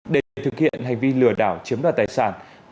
để thực hiện hành vi lừa đảo chiếm đoạt tài sản